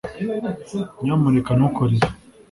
nyamuneka ntukore ibi